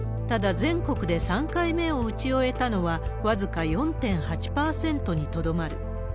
ただ、全国で３回目を打ち終えたのは僅か４．８％にとどまる。